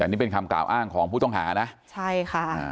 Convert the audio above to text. อันนี้เป็นคำกล่าวอ้างของผู้ต้องหานะใช่ค่ะ